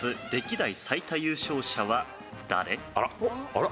あら！